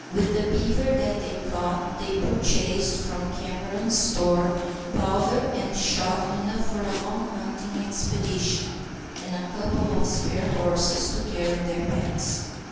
With the beaver that they caught they purchased from Cameron's store powder and shot enough for a long hunting expedition, and a couple of spare horses to carry their packs.